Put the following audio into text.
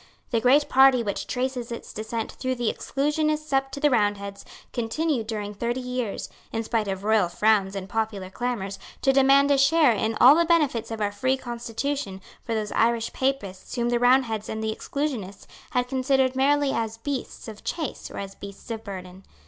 The great party which traces its descent through the Exclusionists up to the Roundheads continued during thirty years, in spite of royal frowns and popular clamours, to demand a share in all the benefits of our free constitution for those Irish Papists whom the Roundheads and the Exclusionists had considered merely as beasts of chase or as beasts of burden.